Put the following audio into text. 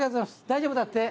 大丈夫だって。